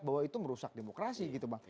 bahwa itu merusak demokrasi gitu bang